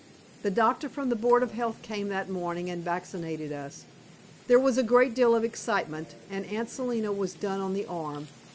The doctor from the board of health came that morning and vaccinated us. There was a great deal of excitement, and Aunt Selina was done on the arm.